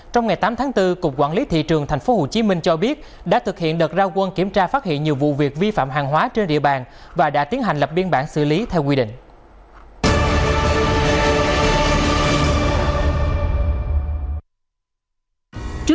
trong ngày tám tháng bốn cục quản lý thị trường tp hcm cho biết đã thực hiện đợt ra quân kiểm tra phát hiện nhiều vụ việc vi phạm hàng hóa trên địa bàn và đã tiến hành lập biên bản xử lý theo quy định